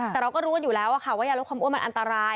แต่เราก็รู้กันอยู่แล้วว่ายาลดความอ้วนมันอันตราย